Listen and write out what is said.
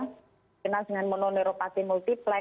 terkena dengan mono neuropati multiplex